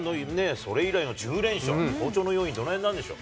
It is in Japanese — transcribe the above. それ以来の１０連勝、好調の要因、どのへんなんでしょう？